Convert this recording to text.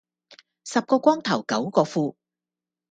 十個光頭九個富